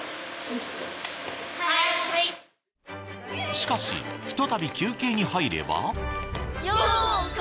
しかしひとたび休憩に入ればよこ！